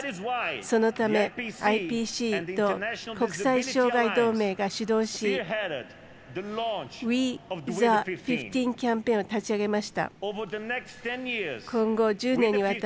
そのため、ＩＰＣと国際障害同盟が主導し「ＷＥＴＨＥ１５」キャンペーンを立ち上げました。